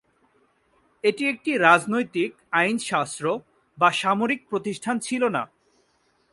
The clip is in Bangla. এটি একটি রাজনৈতিক, আইনশাস্ত্র বা সামরিক প্রতিষ্ঠান ছিল না।